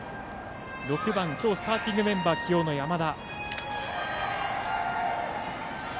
６番、スターティングメンバー起用の山田。